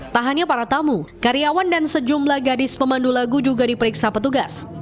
tak hanya para tamu karyawan dan sejumlah gadis pemandu lagu juga diperiksa petugas